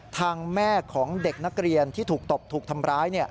ทางแม่ของเด็กนักเรียนที่ถูกตบถูกทำร้าย